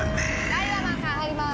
・ダイワマンさん入りまーす！